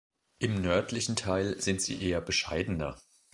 Im nördlichen Teil sind sie eher bescheidener.